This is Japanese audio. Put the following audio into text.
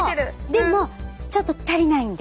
でもちょっと足りないんで。